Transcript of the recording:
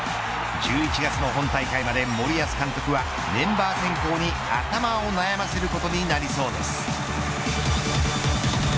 １１月の本大会まで森保監督はメンバー選考に頭を悩ませることになりそうです。